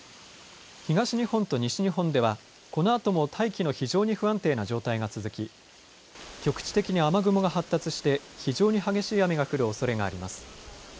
東日本と西日本では、このあとも大気の非常に不安定な状態が続き、局地的に雨雲が発達して、非常に激しい雨が降るおそれがあります。